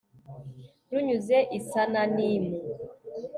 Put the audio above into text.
runyuze i sananimu